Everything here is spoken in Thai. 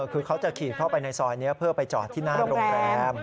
คือเขาจะขี่เข้าไปในซอยนี้เพื่อไปจอดที่หน้าโรงแรม